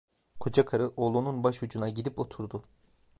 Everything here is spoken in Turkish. Kocakarı oğlunun başucuna gidip oturdu.